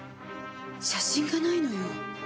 写真がないのよ。